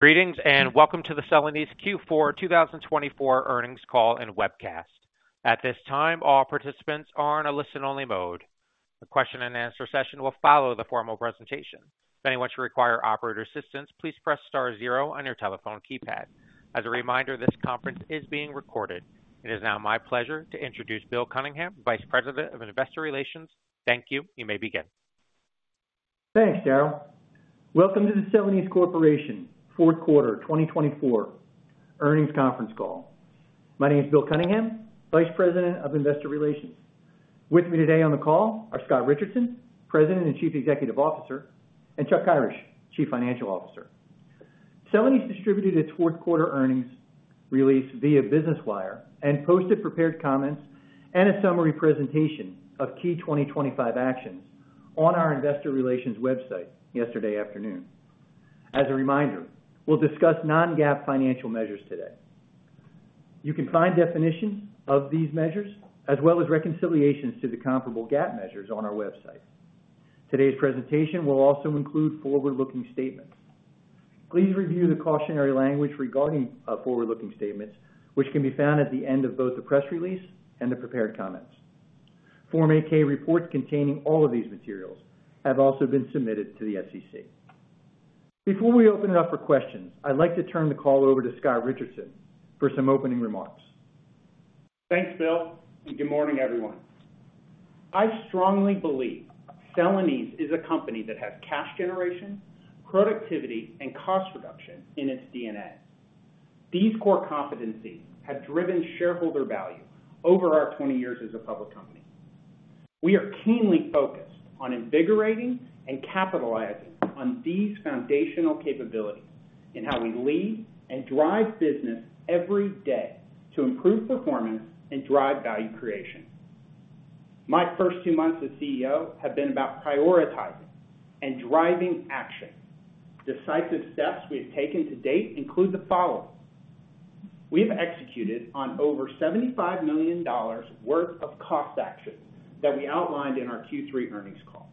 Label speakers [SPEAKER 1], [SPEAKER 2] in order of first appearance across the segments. [SPEAKER 1] Greetings and welcome to the Celanese Q4 2024 Earnings Call and Webcast. At this time, all participants are in a listen only mode. The question and answer session will follow the formal presentation. If anyone should require operator assistance, please press Star zero on your telephone keypad. As a reminder, this conference is being recorded. It is now my pleasure to introduce Bill Cunningham, Vice President of Investor Relations. Thank you. You may begin.
[SPEAKER 2] Thanks Darrell. Welcome to the Celanese Corporation Q4 2024 earnings conference call. My name is Bill Cunningham, Vice President of Investor Relations. With me today on the call are Scott Richardson, President and Chief Executive Officer, and Chuck Kyrish, Chief Financial Officer. Celanese distributed its Q4 earnings release via Business Wire and posted prepared comments and a summary presentation of key 2025 actions on our Investor Relations website yesterday afternoon. As a reminder, we'll discuss non-GAAP financial measures today. You can find definitions of these measures as well as reconciliations to the comparable GAAP measures on our website. Today's presentation will also include forward-looking statements. Please review the cautionary language regarding forward-looking statements which can be found at the end of both the press release and the prepared comments. Form 8-K reports containing all of these materials have also been submitted to the SEC. Before we open it up for questions, I'd like to turn the call over to Scott Richardson for some opening remarks.
[SPEAKER 3] Thanks Bill and good morning everyone. I strongly believe Celanese is a company that has cash generation, productivity and cost reduction in its DNA. These core competencies have driven shareholder value over our 20 years as a public company. We are keenly focused on invigorating and capitalizing on these foundational capabilities in how we lead and drive business every day to improve performance and drive value creation. My first two months as CEO have been about prioritizing and driving action. Decisive steps we have taken to date include the following. We have executed on over $75 million worth of cost action that we outlined in our Q3 earnings call.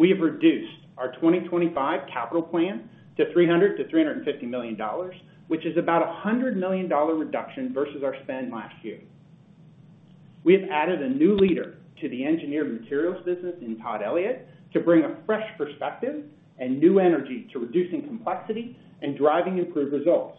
[SPEAKER 3] We have reduced our 2025 capital plan to $300 to $350 million, which is about $100 million reduction versus our spend last year. We have added a new leader to the Engineered Materials business in Todd Elliott to bring a fresh perspective and new energy to reducing complexity and driving improved results.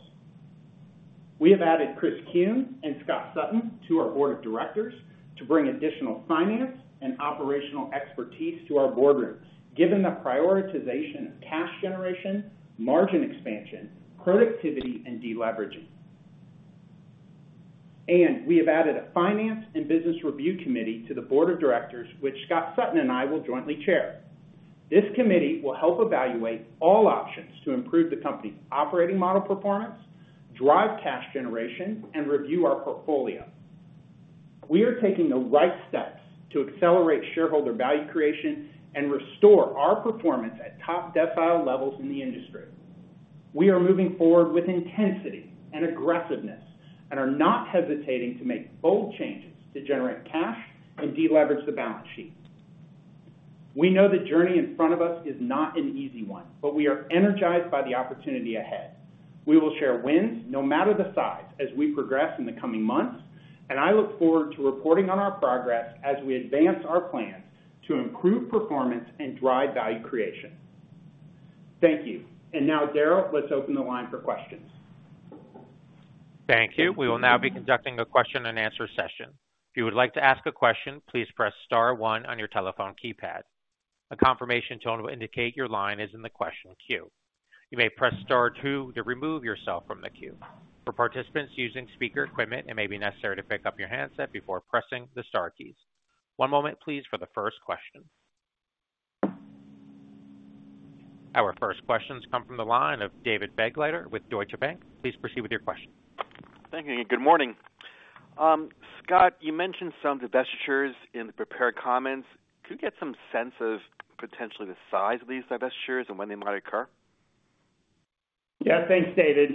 [SPEAKER 3] We have added Chris Kuehn and Scott Sutton to our Board of Directors to bring additional finance and operational expertise to our boardrooms given the prioritization of cash generation, margin expansion, productivity and deleveraging. And we have added a Finance and Business Review Committee to the Board of Directors which Scott Sutton and I will jointly chair. This committee will help evaluate all options to improve the company's operating model performance, drive cash generation and review our portfolio. We are taking the right steps to accelerate shareholder value creation and restore our performance at top decile levels in the industry. We are moving forward with intensity and aggressiveness and are not hesitating to make bold changes to generate cash and deleverage the balance sheet. We know the journey in front of us is not an easy one, but we are energized by the opportunity ahead. We will share wins, no matter the size, as we progress in the coming months. And I look forward to reporting on our progress as we advance our plans to improve performance and drive value creation. Thank you. And now, Darrell, let's open the line for questions.
[SPEAKER 1] Thank you. We will now be conducting a question and answer session. If you would like to ask a question, please press star one on your telephone keypad. A confirmation tone will indicate your line is in the question queue. You may press star two to remove yourself from the queue. For participants using speaker equipment, it may be necessary to pick up your handset before pressing the star keys. One moment, please, for the first question. Our first questions come from the line of David Begleiter with Deutsche Bank. Please proceed with your question.
[SPEAKER 4] Thank you. Good morning, Scott. You mentioned some divestitures in the prepared comments. Could you get some sense of potentially the size of these divestitures and when they might occur?
[SPEAKER 3] Yeah, thanks, David.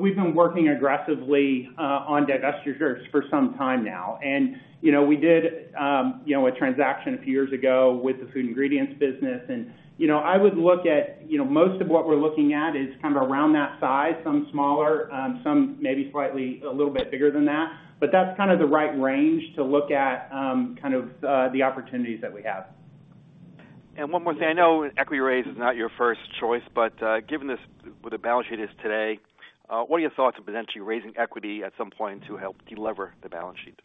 [SPEAKER 3] We've been working aggressively on divestitures for some time now. And you know, we did, you know, a transaction a few years ago with the food ingredients business and you know, I would look at, you know, most of what we're looking at is kind of around that size, some smaller, some maybe slightly, a little bit bigger than that. But that's kind of the right range to look at kind of the opportunities that we have.
[SPEAKER 4] And one more thing. I know equity raise is not your first choice, but given this where the balance sheet is today, what are your thoughts on potentially raising equity at some point to help delever the balance sheet?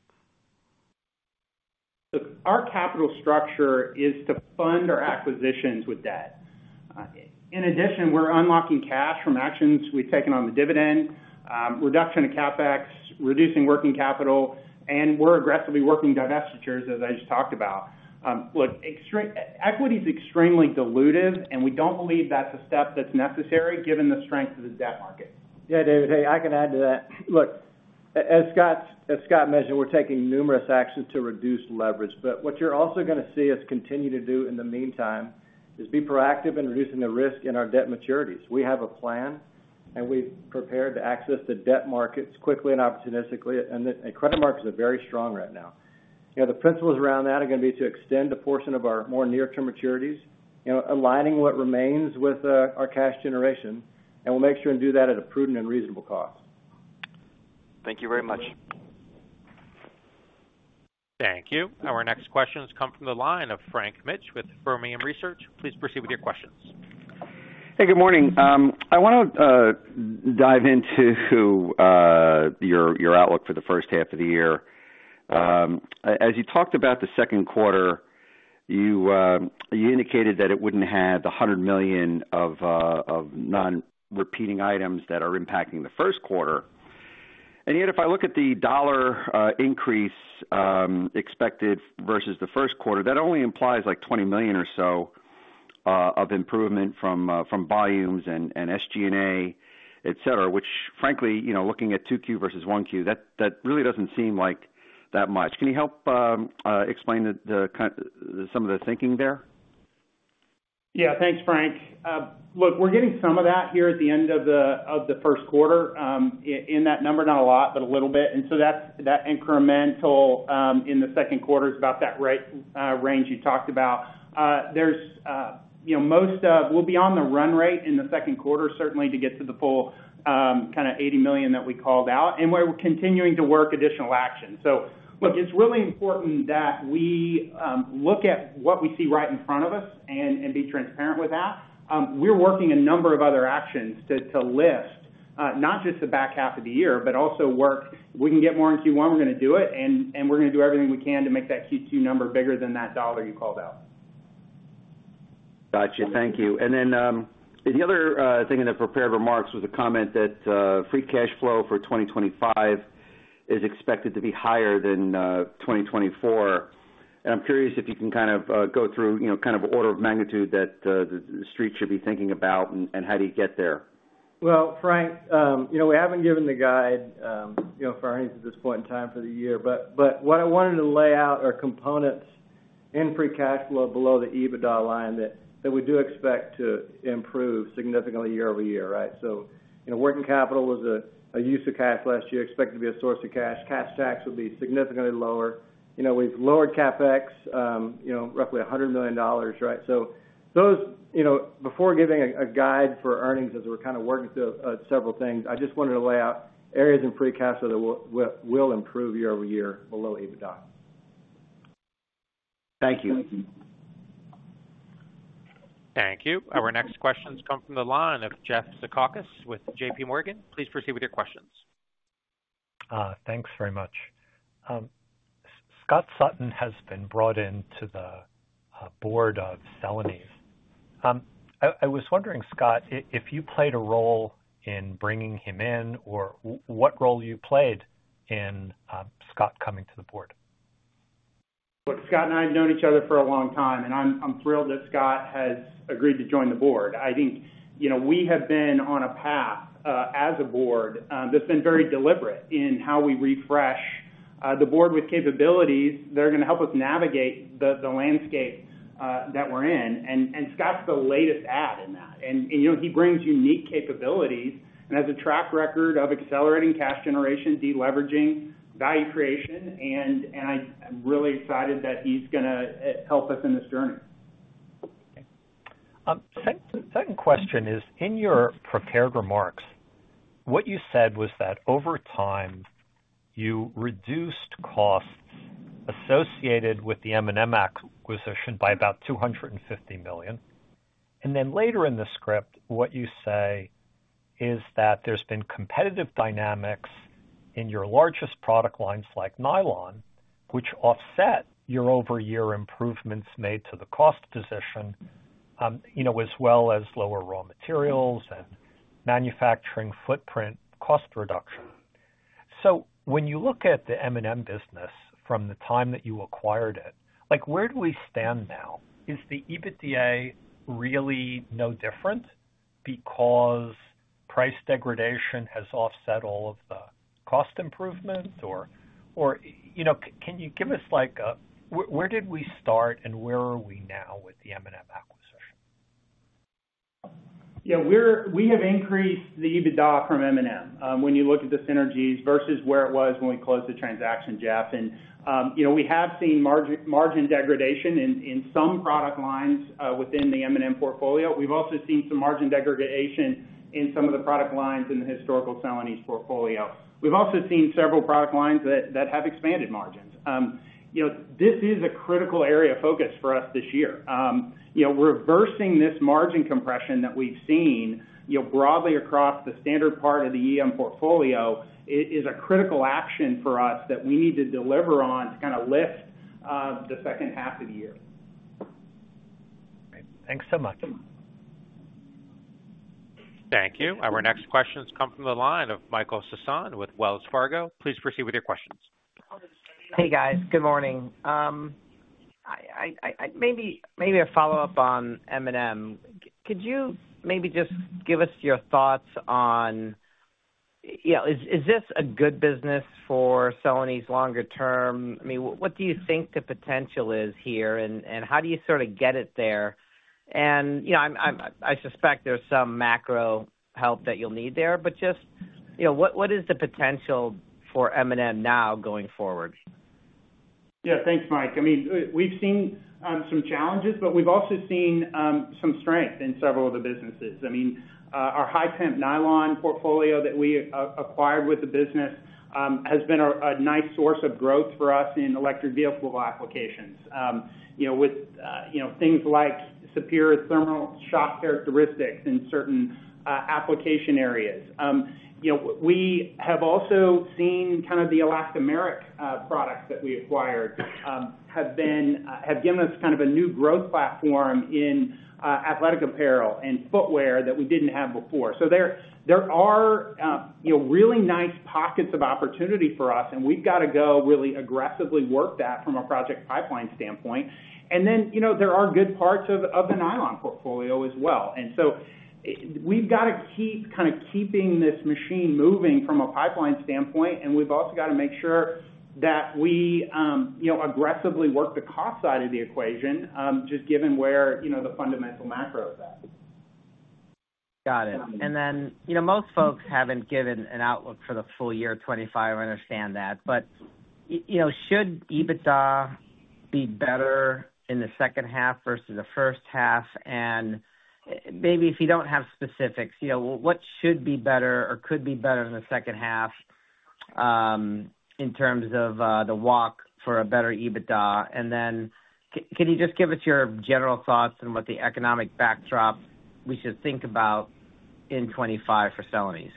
[SPEAKER 3] Our capital structure is to fund our acquisitions with debt. In addition, we're unlocking cash from actions we've taken on the dividend reduction of CapEx, reducing working capital, and we're aggressively working divestitures. As I just talked about. Equity is extremely dilutive and we don't believe that's a step that's necessary given the strength of the debt market.
[SPEAKER 5] Yeah, David. Hey, I can add to that. Look, as Scott, as Scott mentioned, we're taking numerous actions to reduce leverage. But what you're also going to see us continue to do in the meantime is be proactive in reducing the risk in our debt maturities. We have a plan and we're prepared to access the debt markets quickly and opportunistically and credit markets are very strong right now. You know, the principles around that are going to be to extend a portion of our more near term maturities, you know, aligning what remains with our cash generation, and we'll make sure and do that at a prudent and reasonable cost.
[SPEAKER 4] Thank you very much.
[SPEAKER 1] Thank you. Our next questions come from the line of Frank Mitsch with Fermium Research. Please proceed with your questions.
[SPEAKER 6] Hey, good morning. I want to dive into. Your outlook for the first half of the year. As you talked about the Q2. You indicated that it wouldn't have $100 million of non-repeating items that are impacting the Q1. And yet if I look at the dollar increase expected versus the Q1, that only implies like $20 million or so of improvement from volumes and SG&A, et cetera, which frankly, you know, looking at 2Q versus 1Q, that really doesn't seem like that much. Can you help explain some of the thinking there?
[SPEAKER 3] Yes, thanks, Frank. Look, we're getting some of that here at the end of the Q1 in that number, not a lot, but a little bit. And so that's that incremental in the Q2 is about that range you talked about. There's, you know, most of it we'll be on the run rate in the Q2 certainly to get to the full kind of $80 million that we called out and we're continuing to work additional action. So look, it's really important that we look at what we see right in front of us and be transparent with that. We're working a number of other actions to lift not just the back half of the year, but also work we can get more in Q1. We're going to do it and we're going to do everything we can to make that Q2 number bigger than that $80 million you called out.
[SPEAKER 6] Gotcha. Thank you. And then the other thing in the prepared remarks was a comment that free cash flow for 2025 is expected to be higher than 2024. And I'm curious if you can kind of go through kind of order of magnitude that the street should be thinking about and how do you get there?
[SPEAKER 5] Well, Frank, you know, we haven't given the guide for earnings at this point in time for the year, but what I wanted to lay out are components in free cash flow below the EBITDA line that we do expect to improve significantly year over year. Right. So you know, working capital was a use of cash last year, expect it to be a source of cash. Cash tax would be significantly lower. You know, we've lowered CapEx, you know, roughly $100 million. Right. Those, you know, before giving a guide for earnings, as we're kind of working through several things, I just wanted to lay out areas in free cash flow that will improve year-over-year below EBITDA.
[SPEAKER 6] Thank You.
[SPEAKER 1] Thank you. Our next questions come from the line of Jeff Zekauskas with JPMorgan. Please proceed with your questions.
[SPEAKER 7] Thanks very much. Scott Sutton has been brought into the board of Celanese. I was wondering, Scott, if you played a role in bringing him in or what role you played in Scott coming to the board?
[SPEAKER 3] Look, Scott and I have known each other for a long time and I'm thrilled that Scott has agreed to join the board. I think, you know, we have been on a path as a board that's been very deliberate in how we refresh the board with capabilities that are going to help us navigate the landscape that we're in. Scott's the latest ad in that and you know, he brings unique capabilities and has a track record of accelerating cash generation, deleveraging, value creation. I'm really excited that he's going to help us in this journey.
[SPEAKER 7] Second question is in your prepared remarks what you said was that over time you reduced costs associated with the M&M acquisition by about $250 million. Later in the script, what you say is that there's been competitive dynamics in your largest product lines like nylon, which offset your over year improvements made to the cost position as well as lower raw materials and manufacturing footprint cost reduction. When you look at the M&M business from the time that you acquired it, like where do we stand now? Is the EBITDA really no different because price degradation has offset all of the cost improvement? Or, you know, can you give us like where did we start and where are we now with the M&M acquisition?
[SPEAKER 3] Yeah, we have increased the EBITDA from M&M. When you look at the synergies versus where it was when we closed the transaction, Jeff, and you know, we have seen margin degradation in some product lines within the M&M portfolio. We've also seen some margin degradation in some of the product lines in the historical Celanese portfolio. We've also seen several product lines that have expanded margins. This is a critical area of focus for us this year. Reversing this margin compression that we've seen broadly across the standard part of the EM portfolio is a critical action for us that we need to deliver on to lift the second half of the year.
[SPEAKER 7] Thanks so much.
[SPEAKER 1] Thank you. Our next questions come from the line of Michael Sison with Wells Fargo. Please proceed with your questions.
[SPEAKER 8] Hey guys, good morning. Maybe a follow up on M&M. Could you maybe just give us your thoughts on. Is this a good business for Celanese longer term? What do you think the potential is here and how do you sort of get it there? You know, I suspect there's some macro help that you'll need there, but just, you know, what is the potential for M&M now going forward?
[SPEAKER 3] Yeah, thanks, Mike. I mean, we've seen some challenges, but we've also seen some strength in several of the businesses. I mean, our high-temp nylon portfolio that we acquired with the business has been a nice source of growth for us in electric vehicle applications, you know, with, you know, things like superior thermal shock characteristics in certain application areas. You know, we have also seen kind of the elastomeric products that we acquired have been, have given us kind of a new growth platform in athletic apparel and footwear that we didn't have before. There are, you know, really nice pockets of opportunity for us. We have got to go really aggressively work that from a project pipeline standpoint. You know, there are good parts of the nylon portfolio as well. We have got to keep kind of keeping this machine moving from a pipeline standpoint. We have also got to make sure that we, you know, aggressively work the cost side of the equation just given where, you know, the fundamental macro is at.
[SPEAKER 8] Got it. You know, most folks have not given an outlook for the full year 2025. I understand that, but should EBITDA be better in the second half versus the first half? Maybe if you do not have specifics, what should be better or could be better in the second half. In terms of the walk for a better EBITDA? Can you just give us your general thoughts and what the economic backdrop we should think about in 2025 for Celanese?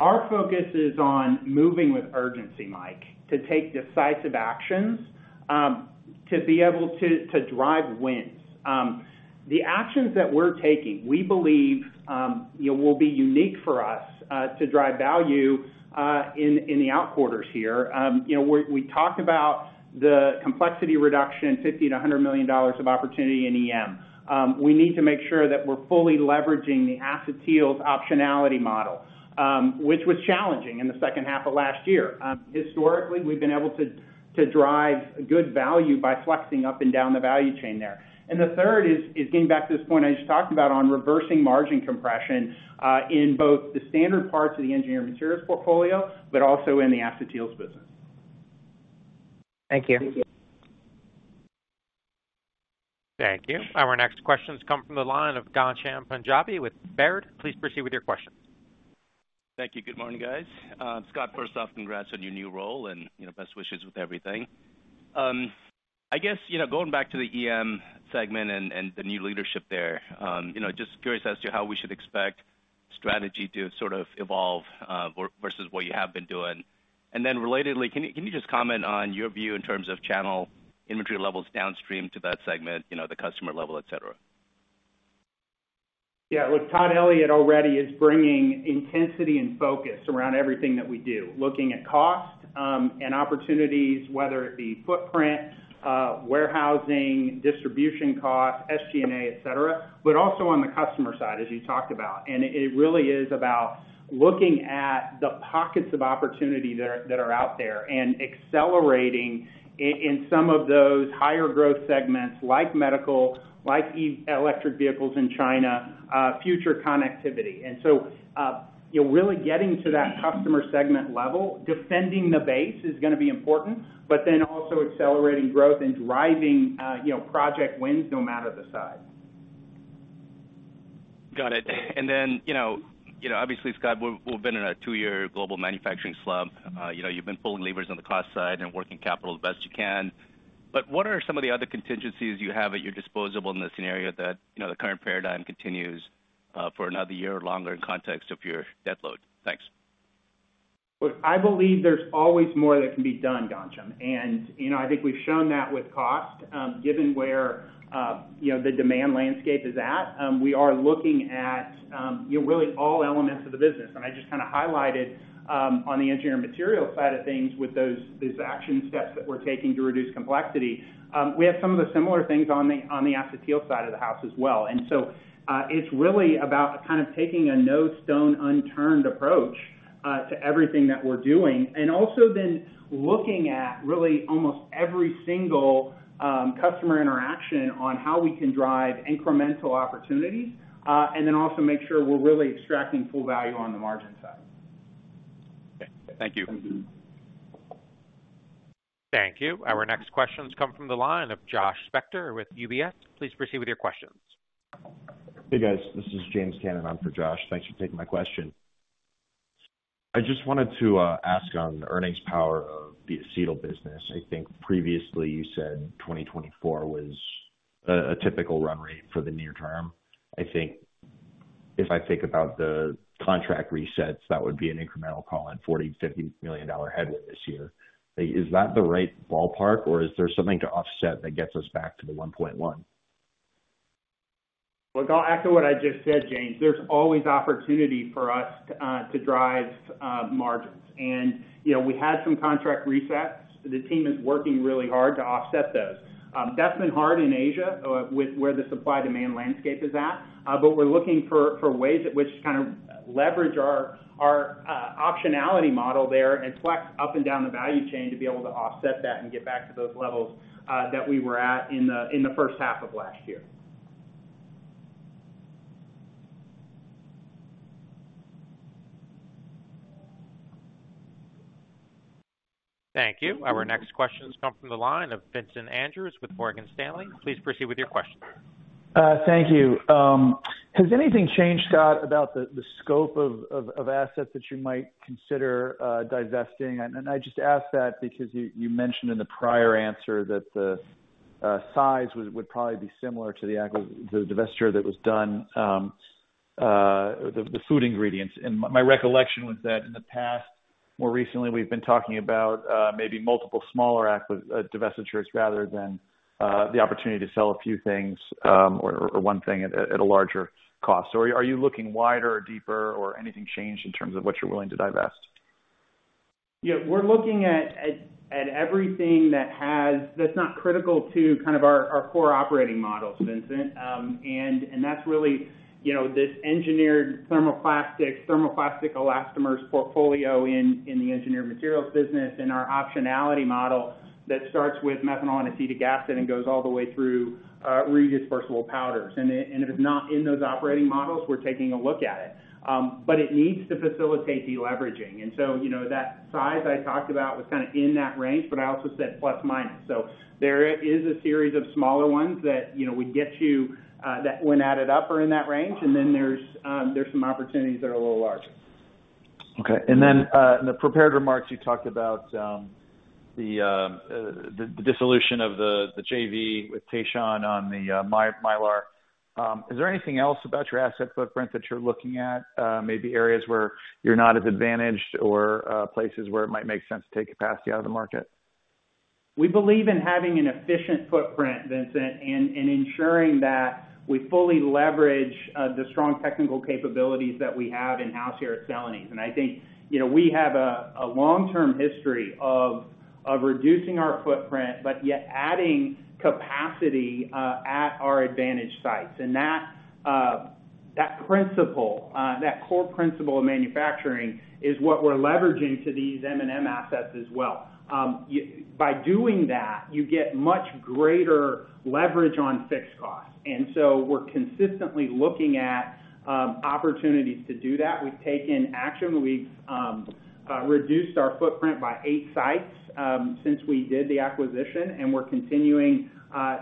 [SPEAKER 3] Our focus is on moving with urgency, Mike, to take decisive actions to be able to drive wins. The actions that we're taking, we believe will be unique for us to drive value in the out quarters. Here we talked about the complexity reduction, $50 million to $100 million of opportunity in M&M. We need to make sure that we're fully leveraging the Acetyls optionality model which was challenging in the second half of last year. Historically we've been able to drive good value by flexing up and down the value chain there. The third is getting back to this point I just talked about on reversing margin compression in both the standard parts of the Engineered Materials portfolio, but also in the Acetyls business.
[SPEAKER 8] Thank you.
[SPEAKER 1] Thank you. Our next questions come from the line of Ghansham Panjabi with Baird. Please proceed with your questions.
[SPEAKER 9] Thank you. Good morning guys. Scott, first off, congrats on your new role and best wishes with everything. I guess going back to the EM segment and the new leadership there. Just curious as to how we should expect strategy to evolve versus what you have been doing. Relatedly, can you just comment on your view in terms of channel inventory levels downstream to that segment, you know, the customer level, et cetera.
[SPEAKER 3] Yeah, look, Todd Elliott already is bringing intensity and focus around everything that we do, looking at cost and opportunities, whether it be footprint, warehousing, distribution costs, SG&A, et cetera, but also on the customer side as you talked about. It really is about looking at the pockets of opportunity that are out there and accelerating in some of those higher growth segments like medical, like electric vehicles in China, future connectivity. You are really getting to that customer segment level. Defending the base is going to be important, but then also accelerating growth and driving project wins no matter the size.
[SPEAKER 9] Got it. And then you know, you know, obviously Scott, we've been in a two year global manufacturing slump. You know, you've been pulling levers on the cost side and working capital the best you can. But what are some of the other contingencies you have at your disposal in the scenario that you know, the current paradigm continues for another year longer in context of your debt load? Thanks.
[SPEAKER 3] I believe there's always more that can be done, Ghansham. And you know, I think we've shown that with cost, given where the demand landscape is at, we are looking at really all elements of the business. I just kind of highlighted on the Engineered Materials side of things with those action steps that we're taking to reduce complexity, we have some of the similar things on the Acetyls side of the house as well. It is really about kind of taking a no stone unturned approach to everything that we are doing and also then looking at really almost every single customer interaction on how we can drive incremental opportunities. Also, make sure we are really extracting full value on the margin side.
[SPEAKER 9] Thank you.
[SPEAKER 1] Thank you. Our next questions come from the line of Josh Spector with UBS. Please proceed with your questions.
[SPEAKER 10] Hey, guys, this is James Cannon. I'm for Josh. Thanks for taking my question. I just wanted to ask on the earnings power of the Acetyls business. I think previously you said 2024 was a typical run rate for the near term. I think if I think about the contract resets, that would be an incremental call in $40 to $50 million headwind this year. Is that the right ballpark or is there something to offset that gets us back to the $1.1?
[SPEAKER 3] Look, I'll echo what I just said, James. There's always opportunity for us to drive margins. You know, we had some contract resets. The team is working really hard to offset those. That's been hard in Asia with where the supply demand landscape is at. We are looking for ways at which to kind of leverage our optionality model there and flex up and down the value chain to be able to offset that and get back to those levels that we were at in the first half of last year.
[SPEAKER 1] Thank you. Our next questions come from the line of Vincent Andrews with Morgan Stanley. Please proceed with your question.
[SPEAKER 11] Thank you. Has anything changed, Scott, about the scope of assets that you might consider divesting? I just asked that because you mentioned in the prior answer that size would probably be similar to the divestiture that was done. The food ingredients. And my recollection was that in the past, more recently, we've been talking about maybe multiple smaller divestitures rather than the opportunity to sell a few things or one thing at a larger cost. Are you looking wider or deeper or anything changed in terms of what you're willing to divest?
[SPEAKER 3] Yeah, we're looking at everything that has that's not critical to kind of our core operating models, Vincent. That's really, you know, this Engineered Thermoplastics, Thermoplastic Elastomers portfolio in the Engineered Materials Business. Our optionality model that starts with methanol and acetic acid and goes all the way through redispersible powders. If it's not in those operating models, we're taking a look at it, but it needs to facilitate deleveraging. That size I talked about was kind of in that range, but I also said plus minus. There is a series of smaller ones that, you know, we get you that when added up are in that range. There are some opportunities that are a little larger.
[SPEAKER 11] In the prepared remarks, you talked about the dissolution of the JV with Teijin on the Mylar. Is there anything else about your asset footprint that you're looking at? Maybe areas where you're not as advantaged or places where it might make sense to take capacity out of the market?
[SPEAKER 3] We believe in having an efficient footprint, Vincent, and ensuring that we fully leverage the strong technical capabilities that we have in house here at Celanese. I think we have a long term history of reducing our footprint, but yet adding capacity at our advantaged sites. That principle, that core principle of manufacturing, is what we're leveraging to these M&M assets as well. By doing that, you get much greater leverage on fixed costs. We're consistently looking at opportunities to do that. We've taken action. We've reduced our footprint by eight sites since we did the acquisition. We're continuing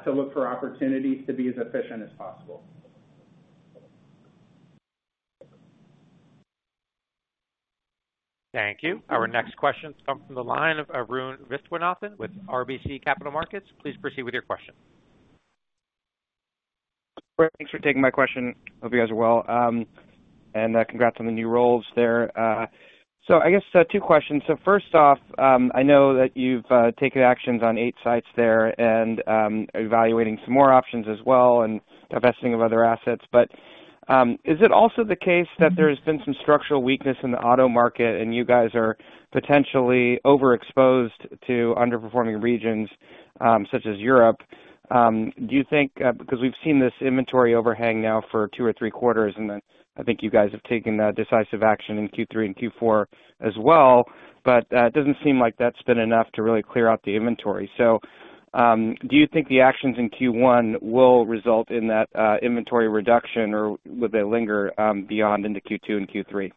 [SPEAKER 3] to look for opportunities to be as efficient as possible.
[SPEAKER 1] Thank you. Our next questions come from the line of Arun Viswanathan with RBC Capital Markets. Please proceed with your question.
[SPEAKER 12] Thanks for taking my question. Hope you guys are well and congrats on the new roles there. I guess two questions. First off, I know that you've taken actions on eight sites there and evaluating some more options as well and divesting of other assets, but is it also the case that there's been some structural weakness in the auto market and you guys are potentially overexposed to underperforming regions such as Europe, do you think? Because we've seen this inventory overhang now for two or three quarters and then I think you guys have taken decisive action in Q3 and Q4 as well. It doesn't seem like that's been enough to really clear out the inventory. Do you think the actions in Q1 will result in that inventory reduction or would they linger beyond into Q2 and Q3?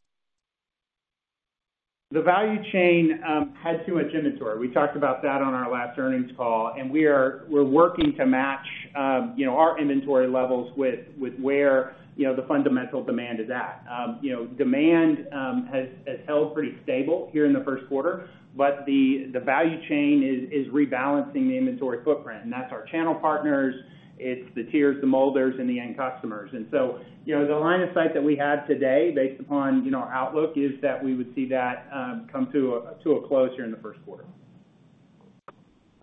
[SPEAKER 3] The value chain had too much inventory. We talked about that on our last earnings call, and we are working to match our inventory levels with where the fundamental demand is at. Demand has held pretty stable here in the Q1, but the value chain is rebalancing the inventory footprint and that's our channel partners. It's the tiers, the molders and the end customers. The line of sight that we have today, based upon our outlook, is that we would see that come to a close here in the Q1.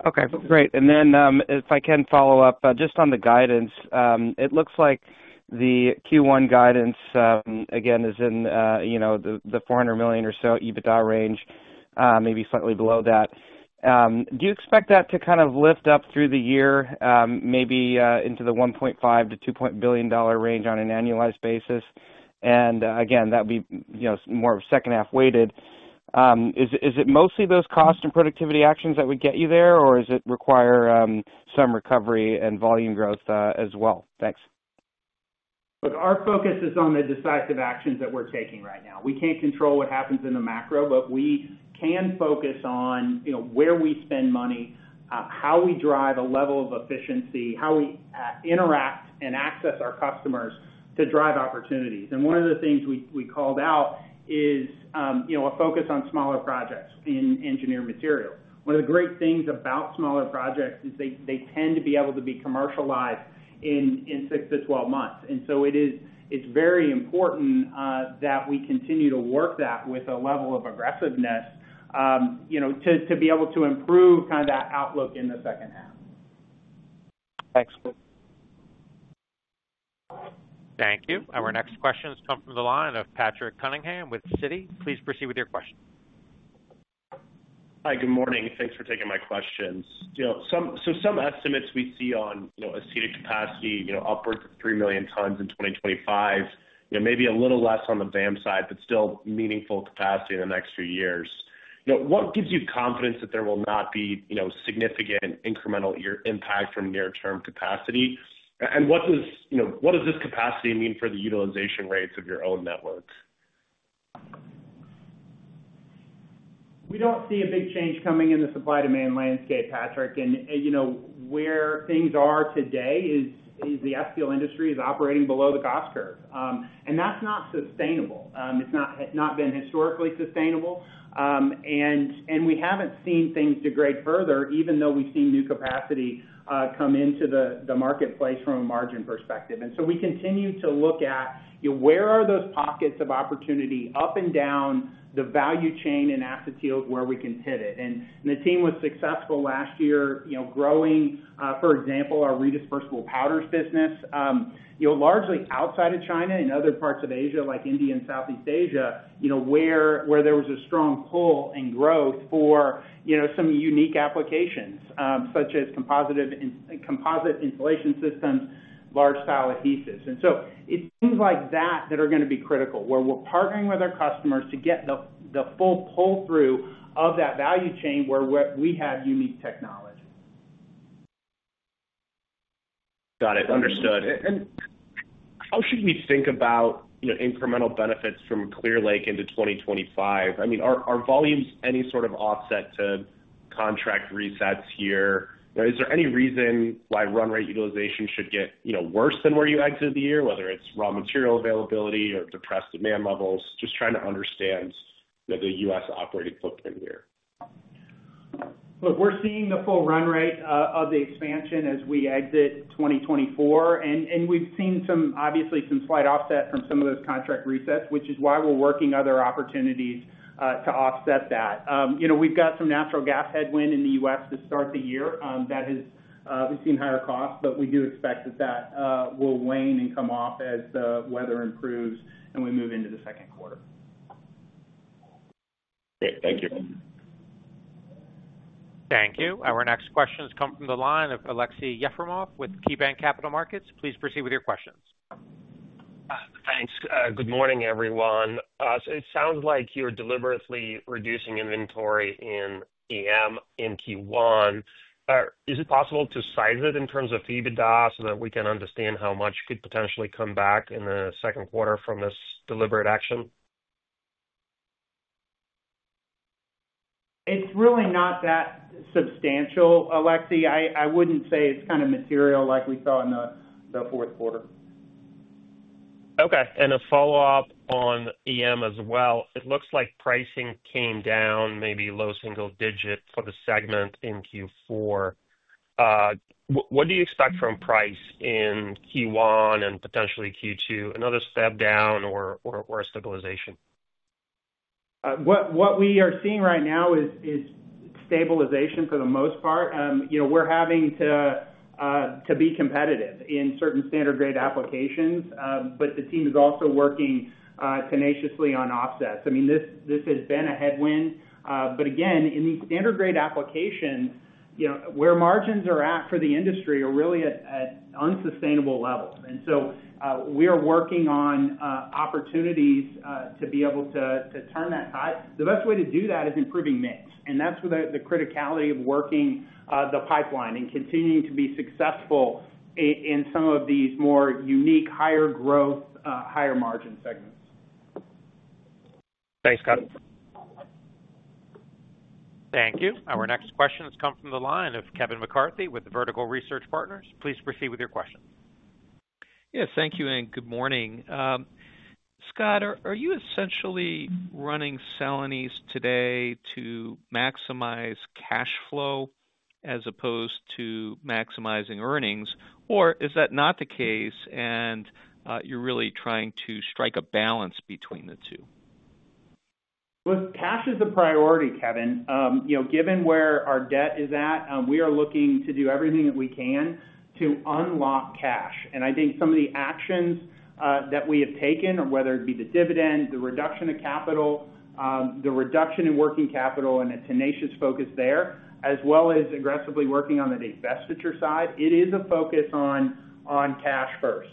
[SPEAKER 12] Okay, great. If I can follow up just on the guidance. It looks like the Q1 guidance again is in the $400 million or so EBITDA range, maybe slightly below that. Do you expect that to kind of lift up through the year maybe into the $1.5-$2 billion range on an annualized basis? That would be more second half weighted. Is it mostly those cost and productivity actions that would get you there or does it require some recovery and volume growth as well? Thanks.
[SPEAKER 3] Look, our focus is on the decisive actions that we're taking right now. We can't control what happens in the macro, but we can focus on where we spend money, how we drive a level of efficiency, how we interact and access our customers to drive opportunities. One of the things we called out is a focus on smaller projects in engineered material. One of the great things about smaller projects is they tend to be able to be commercialized in six to twelve months. It is very important that we continue to work that with a level of aggressiveness, you know, to be able to improve kind of that outlook in the second half.
[SPEAKER 12] Thanks.
[SPEAKER 1] Thank you. Our next questions come from the line of Patrick Cunningham with Citi. Please proceed with your questions.
[SPEAKER 13] Hi, good morning. Thanks for taking my questions. Some estimates we see on acetic capacity upwards of 3 million tons in 2025, maybe a little less on the VAM side, but still meaningful capacity in the next few years. What gives you confidence that there will not be significant incremental impact from near term capacity? What does this capacity mean for the utilization rates of your own networks?
[SPEAKER 3] We do not see a big change coming in the supply demand landscape, Patrick. You know, where things are today is the industry is operating below the cost curve and that is not sustainable. It has not been historically sustainable and we have not seen things degrade further, even though we have seen new capacity come into the marketplace from a margin perspective. We continue to look at where are those pockets of opportunity up and down the value chain in Acetyls, where we can pivot. The team was successful last year growing, for example, our redispersible powders business largely outside of China and other parts of Asia, like India and Southeast Asia, where there was a strong pull and growth for some unique applications such as composite insulation systems, large style adhesives. It is things like that that are going to be critical where we are partnering with our customers to get the full pull through of that value chain where we have unique technology.
[SPEAKER 13] Got it, understood. How should we think about incremental benefits from Clear Lake into 2025? I mean, are volumes any sort of offset to contract resets here? Is there any reason why run rate utilization should get worse than where you exit the year? Whether it is raw material availability or depressed demand levels? Just trying to understand the U.S. operating footprint here.
[SPEAKER 3] Look, we're seeing the full run rate of the expansion as we exit 2024. And we've seen some, obviously some slight offset from some of those contract resets, which is why we're working other opportunities to offset that. You know, we've got some natural gas headwind in the U.S. to start the year that has seen higher costs, but we do expect that that will wane and come off as the weather improves and we move into the Q2.
[SPEAKER 13] Great, thank you.
[SPEAKER 1] Thank you. Our next questions come from the line of Aleksey Yefremov with KeyBanc Capital Markets. Please proceed with your questions.
[SPEAKER 14] Thanks. Good morning everyone. It sounds like you're deliberately reducing inventory in EM in Q1. Is it possible to size it in terms of EBITDA so that we can understand how much could potentially come back in the Q2 from this deliberate action?
[SPEAKER 3] It's really not that substantial, Aleksey. I wouldn't say it's kind of material like we saw in the Q4.
[SPEAKER 14] Okay. A follow up on EM as well. It looks like pricing came down, maybe low single digit for the segment in Q4. What do you expect from price in Q1 and potentially Q2, another step down or stabilization?
[SPEAKER 3] What we are seeing right now is stabilization for the most part. You know, we're having to, to be competitive in certain standard grade applications. The team is also working tenaciously on offsets. I mean this has been a headwind, but again in these standard grade applications, you know, where margins are at for the industry are really at unsustainable levels. We are working on opportunities to be able to turn that tide. The best way to do that is improving mix and that's the criticality of working the pipeline and continuing to be successful in some of these more unique higher growth, higher margin segments.
[SPEAKER 14] Thanks Scott.
[SPEAKER 1] Thank you. Our next question has come from the line of Kevin McCarthy with Vertical Research Partners. Please proceed with your questions.
[SPEAKER 15] Yes, thank you and good morning. Scott, are you essentially running Celanese today to maximize cash flow as opposed to maximizing earnings or is that not the case and you're really trying to strike a balance between the two?
[SPEAKER 3] Cash is the priority, Kevin. Given where our debt is at, we are looking to do everything that we can to unlock cash. I think some of the actions that we have taken, whether it be the dividend, the reduction of capital, the reduction in working capital and a tenacious focus there, as well as aggressively working on the divestiture side, it is a focus on cash first.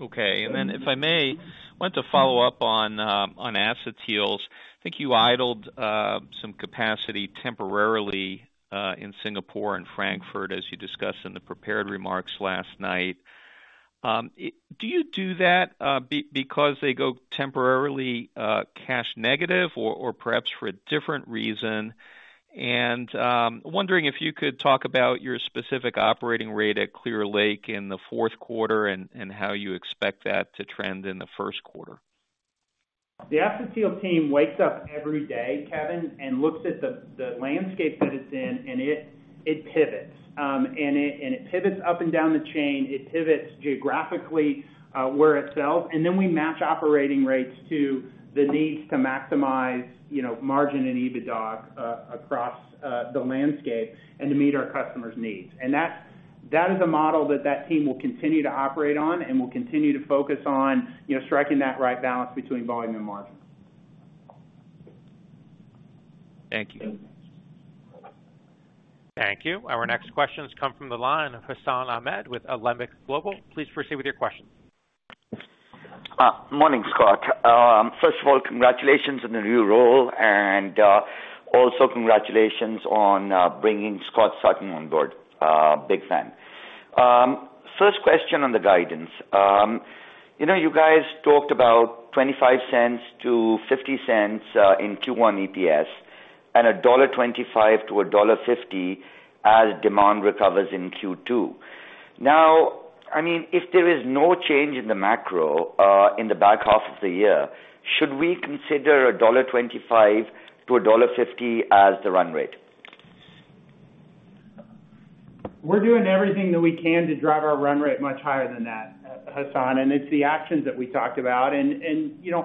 [SPEAKER 15] Okay. If I may, I want to follow up on Acetyls. I think you idled some capacity temporarily in Singapore and Frankfurt, as you discussed in the prepared remarks last night. Do you do that because they go temporarily cash negative or perhaps for a different reason? I am wondering if you could talk about your specific operating rate at Clear Lake in the Q4 and how you expect that to trend in the Q1.
[SPEAKER 3] The Acetyls team wakes up every day, Kevin, and looks at the landscape that it's in and it pivots and it pivots up and down the chain, it pivots geographically where it sells. We match operating rates to the needs to maximize margin and EBITDA across the landscape and to meet our customers' needs. That is a model that that team will continue to operate on and will continue to focus on striking that right balance between volume and margin.
[SPEAKER 15] Thank you.
[SPEAKER 1] Thank you. Our next questions come from the line of Hassan Ahmed with Alembic Global. Please proceed with your questions.
[SPEAKER 16] Morning, Scott. First of all, congratulations on the new role and also congratulations on bringing Scott Sutton on board. Big fan. First question on the guidance. You know, you guys talked about $0.25-$0.50 in Q1 EPS and $1.25-$1.50 as demand recovers in Q2. Now, I mean, if there is no change in the macro in the back half of the year, should we consider $1.25-$1.50 as the run rate?
[SPEAKER 3] We're doing everything that we can to drive our run rate much higher than that, Hassan. It's the actions that we talked about and, you know,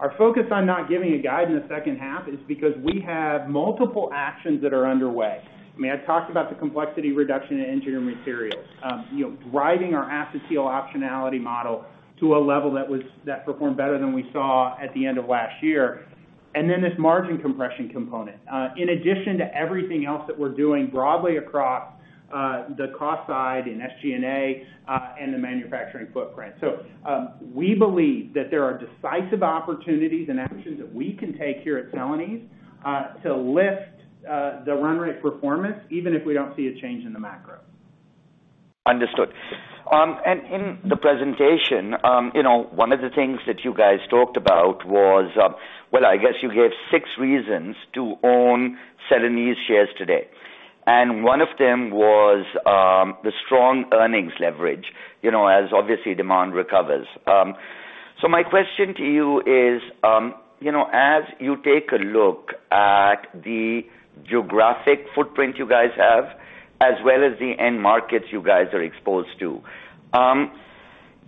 [SPEAKER 3] our focus on not giving a guide in the second half is because we have multiple actions that are underway. I mean, I talked about the complexity reduction in Engineered Materials, you know, driving our Acetyls optionality model to a level that was, that performed better than we saw at the end of last year. Then this margin compression component in addition to everything else that we're doing broadly across the cost side in SG&A and the manufacturing footprint. We believe that there are decisive opportunities and actions that we can take here at Celanese to lift the run rate performance even if we don't see a change in the macro.
[SPEAKER 16] Understood. In the presentation you know, one of the things that you guys talked about was, I guess you gave six reasons to own Celanese shares today. One of them was the strong earnings leverage, you know, as obviously demand recovers. My question to you is, you know, as you take a look at the geographic footprint you guys have, as well as the end markets you guys are exposed to.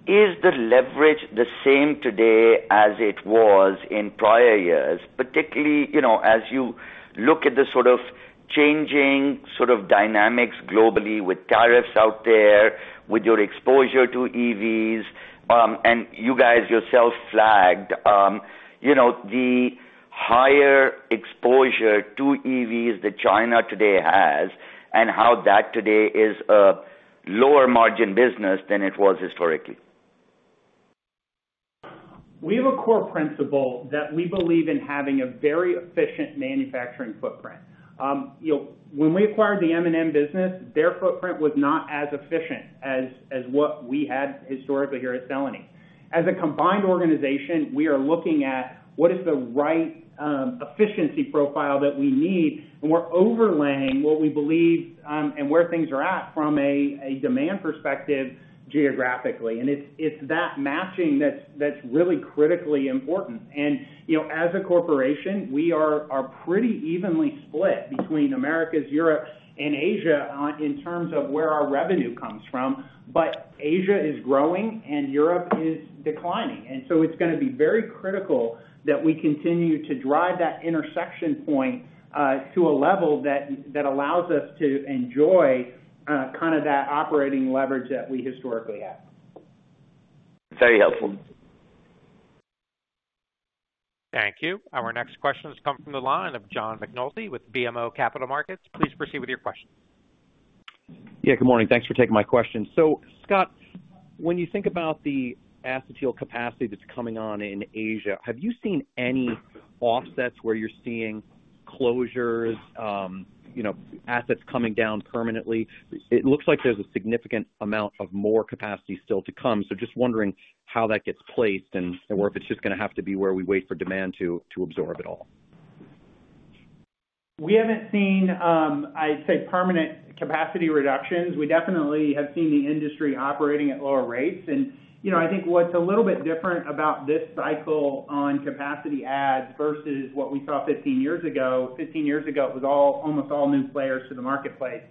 [SPEAKER 16] Is the leverage the same today as it was in prior years? Particularly, you know, as you look at the sort of changing, sort of dynamics globally with tariffs out there, with your exposure to EVs and you guys yourself flagged, you know, the higher exposure to EVs that China today has and how that today is a lower margin business than it was historically.
[SPEAKER 3] We have a core principle that we believe in having a very efficient manufacturing footprint. When we acquired the M&M business, their footprint was not as efficient as what we had historically. Here at Celanese as a combined organization, we are looking at what is the right efficiency profile that we need. We are overlaying what we believe and where things are at from a demand perspective geographically. It is that matching that is really critically important. You know, as a corporation, we are pretty evenly split between Americas, Europe and Asia in terms of where our revenue comes from. Asia is growing and Europe is declining. It is going to be very critical that we continue to drive that intersection point to a level that allows us to enjoy kind of that operating leverage that we historically have.
[SPEAKER 16] Very helpful.
[SPEAKER 1] Thank you. Our next question has come from the line of John McNulty with BMO Capital Markets. Please proceed with your question.
[SPEAKER 17] Yeah, good morning. Thanks for taking my question. Scott, when you think about the Acetyl capacity that's coming on in Asia, have you seen any offsets where you're seeing closures, you know, assets coming down permanently? It looks like there's a significant amount of more capacity still to come. Just wondering how that gets placed and if it's just going to have to be where we wait for demand to absorb it all.
[SPEAKER 3] We haven't seen, I'd say, permanent capacity reductions. We definitely have seen the industry operating at lower rates. You know, I think what's a little bit different about this cycle on capacity versus what we saw 15 years ago? Fifteen years ago, it was almost all new players to the marketplace.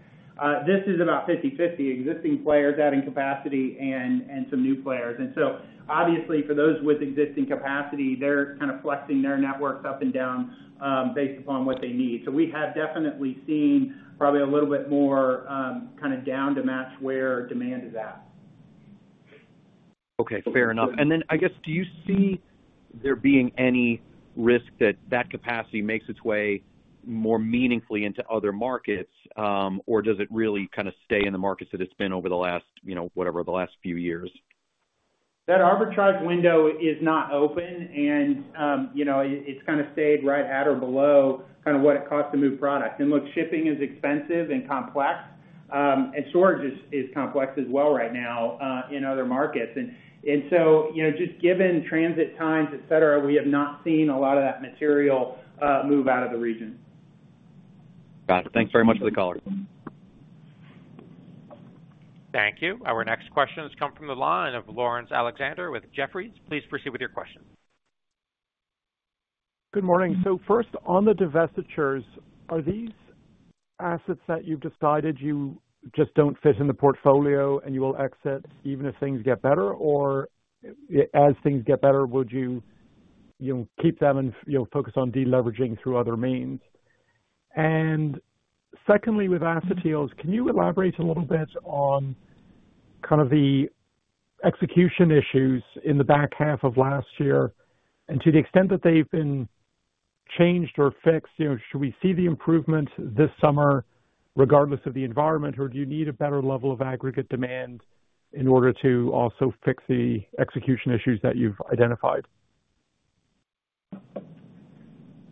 [SPEAKER 3] This is about 50-50 existing players adding capacity and some new players. Obviously for those with existing capacity, they're kind of flexing their networks up and down based upon what they need. We have definitely seen probably a little bit more kind of down to match where demand is at.
[SPEAKER 17] Okay, fair enough. Do you see there being any risk that that capacity makes its way more meaningfully into other markets or does it really kind of stay in the markets that it's been over the last, you know, whatever the last few years?
[SPEAKER 3] That arbitrage window is not open and, you know, it's kind of stayed right at or below kind of what it costs to move product. Look, shipping is expensive and complex and storage is complex as well right now in other markets. Just given transit times, et cetera, we have not seen a lot of that material move out of the region.
[SPEAKER 17] Got it. Thanks very much for the color.
[SPEAKER 1] Thank you. Our next questions come from the line of Laurence Alexander with Jefferies. Please proceed with your question.
[SPEAKER 18] Good morning. First on the divestitures, are these assets that you've decided just do not fit in the portfolio and you will exit even if things get better, or as things get better, would you keep them and focus on deleveraging through other means? Secondly, with Acetyls, can you elaborate a little bit on kind of the execution issues in the back half of last year and to the extent that they've been changed or fixed, should we see the improvement this summer regardless of the environment, or do you need a better level of aggregate demand in order to also fix the execution issues that you've identified?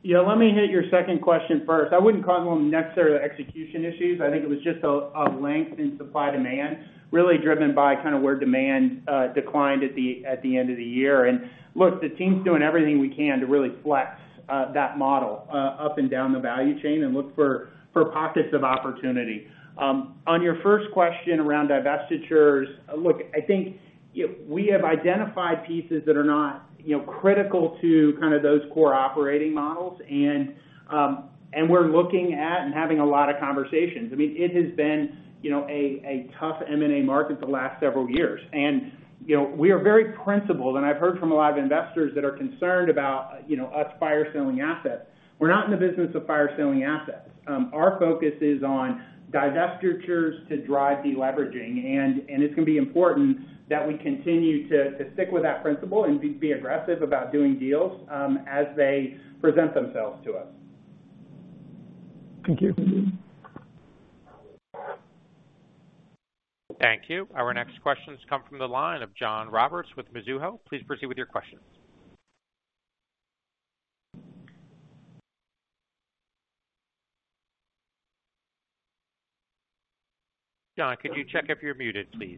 [SPEAKER 3] Yeah, let me hit your second question first. I would not call them necessarily execution issues. I think it was just a length in supply demand really driven by kind of where demand declined at the end of the year. Look, the team's doing everything we can to really flex that model up and down the value chain and look for pockets of opportunity. On your first question around divestitures, look, I think we have identified pieces that are not critical to kind of those core operating models. We are looking at and having a lot of conversations. I mean, it has been a tough, tough M&A market the last several years. You know, we are very principled. I have heard from a lot of investors that are concerned about, you know, us fire selling assets. We are not in the business of fire selling assets. Our focus is on divestitures to drive deleveraging. It is going to be important that we continue to stick with that principle and be aggressive about doing deals as they present themselves to us.
[SPEAKER 18] Thank you.
[SPEAKER 1] Thank you. Our next questions come from the line of John Roberts with Mizuho. Please proceed with your questions. John, could you check if you're muted, please?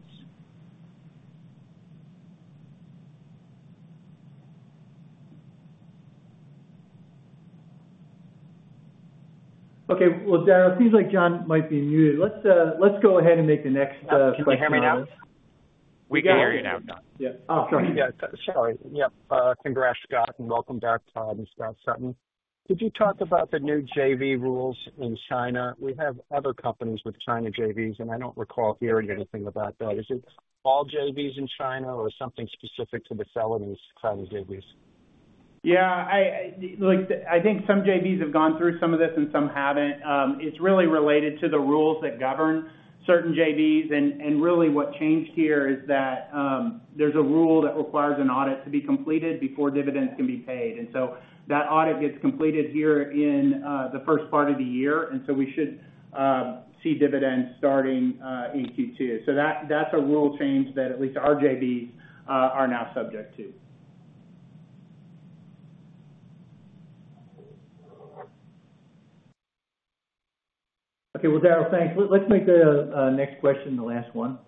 [SPEAKER 3] Okay. Darrell, it seems like John might be muted. Let's go ahead and make the next.
[SPEAKER 19] Can you hear me now?
[SPEAKER 1] We can hear you now, John.
[SPEAKER 19] Sorry. Yep. Congrats, Scott, and welcome back. Todd and Scott Sutton. Could you talk about the new JV rules in China? We have other companies with China JVs, and I do not recall hearing anything about that issue. All JVs in China or something specific to the seller's JVs.
[SPEAKER 3] I think some JVs have gone through some of this and some have not. It is really related to the rules that govern certain JVs. What changed here is that there is a rule that requires an audit to be completed before dividends can be paid. That audit gets completed here in the first part of the year. We should see dividends starting in Q2. That's a rule change that at least our JVs are now subject to. Okay. Darell, thanks. Let's make the next question the last one.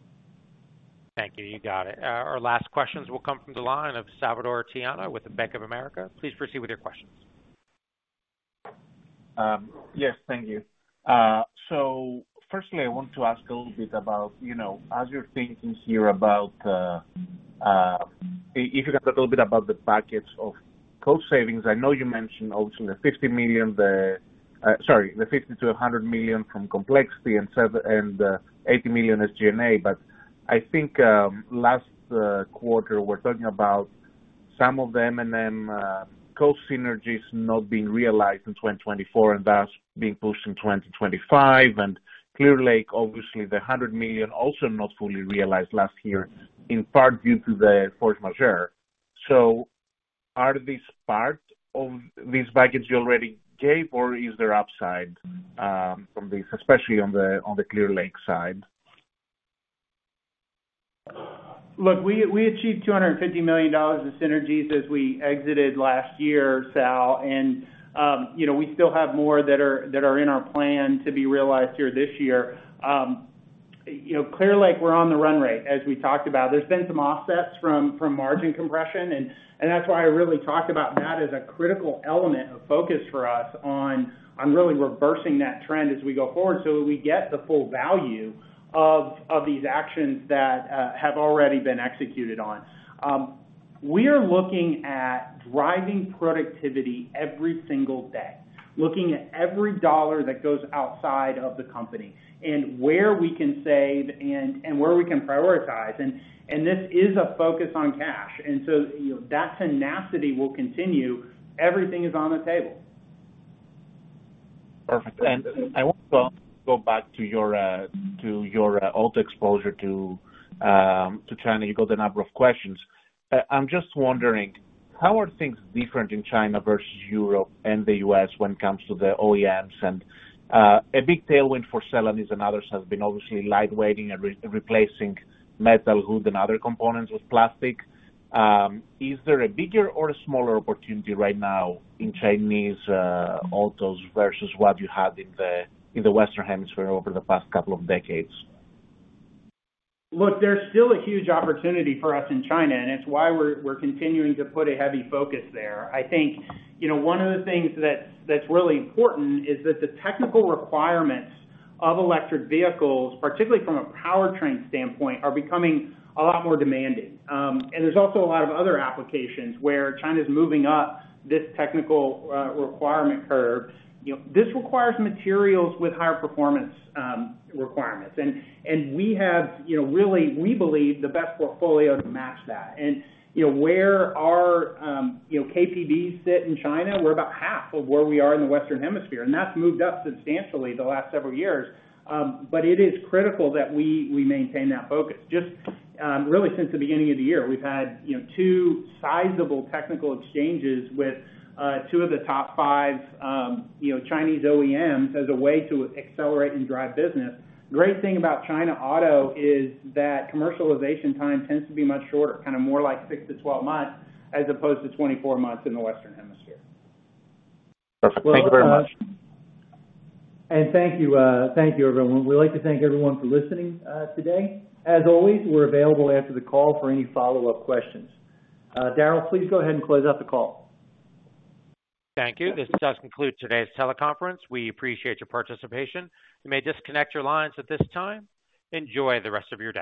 [SPEAKER 1] Thank you. You got it. Our last questions will come from the line of Salvator Tiano with Bank of America. Please proceed with your questions.
[SPEAKER 20] Yes, thank you. Firstly, I want to ask a little bit about, you know, as you're thinking here, about. If you can talk a little bit about the package of cost savings. I know you mentioned, obviously the $50 million. Sorry, the $50 million to $100 million from complexity and $80 million SG&A. I think last quarter we were talking about some of the cost synergies not being realized in 2024 and thus being pushed into 2025. Clear Lake, obviously, the $100 million also not fully realized last year, in part due to the force majeure. Are these part of this package you already gave or is there upside from this, especially on the Clear Lake side?
[SPEAKER 3] Look, we achieved $250 million of synergies as we exited last year, Sal. We still have more that are in our plan to be realized here this year. Clear Lake, we're on the run rate, as we talked about, there's been some offsets from margin compression. That is why I really talked about that as a critical element of focus for us on really reversing that trend as we go forward so we get the full value of these actions that have already been executed on. We are looking at driving productivity every single day, looking at every dollar that goes outside of the company and where we can save and where we can prioritize and this is a focus on cash. That tenacity will continue. Everything is on the table.
[SPEAKER 20] Perfect. I want to go back to your auto exposure to China. You got a number of questions. I'm just wondering how are things different in China versus Europe and the U.S. when it comes to the OEMs? A big tailwind for Celanese and others has been obviously lightweighting and replacing metal hood and other components with the plastic. Is there a bigger or a smaller opportunity right now in Chinese autos versus what you had in the Western Hemisphere over the past couple of decades?
[SPEAKER 3] Look, there's still a huge opportunity for us in China and it's why we're continuing to put a heavy focus there. I think, you know, one of the things that's really important is that the technical requirements of electric vehicles, particularly from a powertrain standard standpoint, are becoming a lot more demanding. There's also a lot of other applications where China is moving up this technical requirement curve. This requires materials with higher performance requirements. We have really, we believe, the best portfolio to match that. Where our KPVs sit in China, we're about half of where we are in the Western Hemisphere. That's moved up substantially the last several years. It is critical that we maintain that focus. Just really since the beginning of the year, we've had two sizable technical exchanges with two of the top five Chinese OEMs as a way to accelerate and drive business. Great thing about China auto is that commercialization time tends to be much shorter. Kind of more like 6 to 12 months as opposed to 24 months in the the Western Hemisphere.
[SPEAKER 20] Perfect. Thank you very much. Thank you.
[SPEAKER 3] Thank you everyone. We'd like to thank everyone for listening today. As always, we're available after the call for any follow up questions. Darrell, please go ahead and close out the call.
[SPEAKER 1] Thank you. This does conclude today's teleconference. We appreciate your participation. You may disconnect your lines at this time. Enjoy the rest of your day.